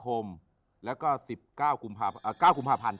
โหลดแล้วคุณราคาโหลดแล้วยัง